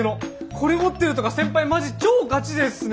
これ持ってるとか先輩マジ超ガチ勢っすね。